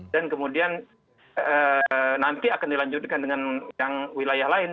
dan kemudian nanti akan dilanjutkan dengan yang wilayah lain